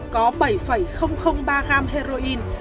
có bảy ba g heroin